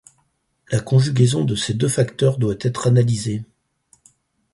La conjugaison de ces deux facteurs doit être analysée.